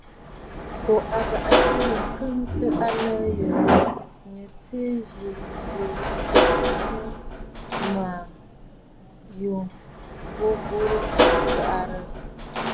Kǒ abàʼati yû ŋ̀kɔɔntə aləə̀ yo ghu, ǹyi tɨ yǐ zì ǹtsuu ànnù ma yû bǔ burə ghɨghɨ̀rə̀!